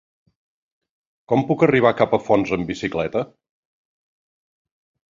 Com puc arribar a Capafonts amb bicicleta?